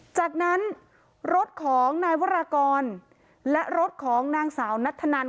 จากนั้นรถของนายวรากรและรถของนางสาวนัทธนัน